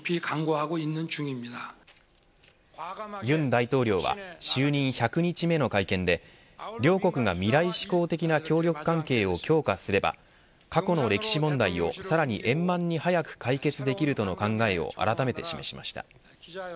尹大統領は就任１００日目の会見で両国が未来志向的な協力関係を強化すれば過去の歴史問題をさらに円満に早く解決できるとの考えをあらためて示しました。